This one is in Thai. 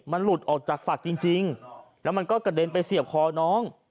มันหลุดออกจากฝักจริงแล้วมันก็กระเด็นไปเสียบคอน้อง